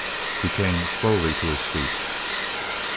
He came slowly to his feet.